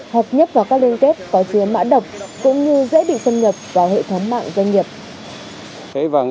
hợp nhất vào các liên kết có chứa mã độc cũng như dễ bị xâm nhập vào hệ thống mạng doanh nghiệp